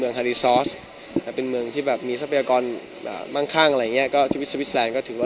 แค่นี้ถ้าเห็นนะระหว่างไหนทางเจอผิวหิมะ